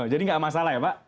jadi gak masalah ya pak